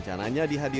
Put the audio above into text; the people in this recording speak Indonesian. jadi saya berharap